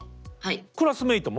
クラスメートも？